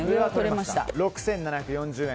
６７４０円。